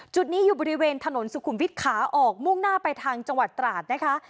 จุดนี้อยู่บริเวณถนนสุขุมวิทย์ขาออกมุ่งหน้าไปทางจังหวัดตราดนะคะ